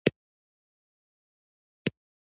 په فېسبوک کې خلک د خپلو سیاسي نظریاتو اظهار کوي